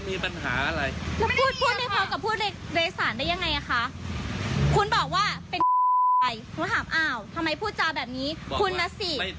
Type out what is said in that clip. ขี้เกียจไปอ่าบอกโอเคค่ะเดี๋ยวได้ไม่เป็นไรไม่ไปก็ได้